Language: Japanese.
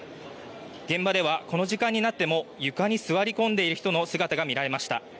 現場ではこの時間になっても床に座り込んでいる人の姿が見られました。